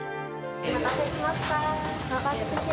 お待たせしました。